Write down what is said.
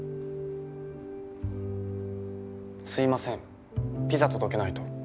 すいませんピザ届けないと。